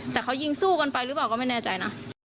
แต่เขายิงสู้กันไปหรือเปล่าก็ไม่แน่ใจนะ